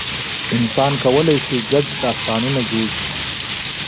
انسان کولی شي ګډ داستانونه جوړ کړي.